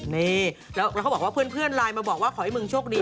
นี่แล้วเขาบอกว่าเพื่อนไลน์มาบอกว่าขอให้มึงโชคดี